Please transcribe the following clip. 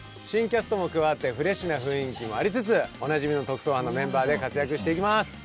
新キャストも加わってフレッシュな雰囲気もありつつおなじみの特捜班のメンバーで活躍していきます。